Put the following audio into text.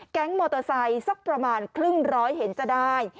มอเตอร์ไซค์สักประมาณครึ่งร้อยเห็นจะได้